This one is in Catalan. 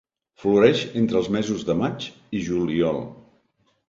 Floreix entre els mesos de maig i juliol.